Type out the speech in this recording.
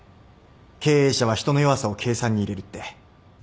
経営者は人の弱さを計算に入れるって。